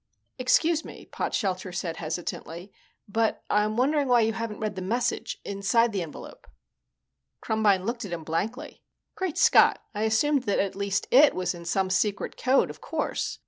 "Excuse me," Potshelter said hesitantly, "but I'm wondering why you haven't read the message inside the envelope." Krumbine looked at him blankly. "Great Scott, I assumed that at least it was in some secret code, of course.